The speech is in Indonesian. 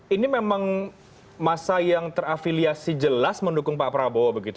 ini memang masa yang terafiliasi jelas mendukung pak prabowo begitu